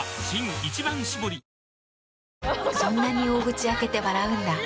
そんなに大口開けて笑うんだ。